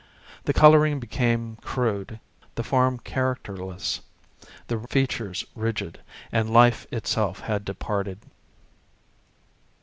The colouring became crude, the form characterless, the features rigid, and life itself had departed.